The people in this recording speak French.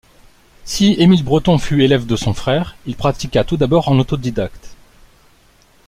Si Émile Breton fut élève de son frère, il pratiqua tout d'abord en autodidacte.